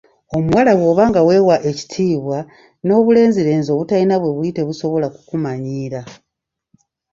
Omuwala bw'oba nga weewa ekitiibwa, n'obulenzirenzi obutalina bwe buli tebusola kukumanyiira.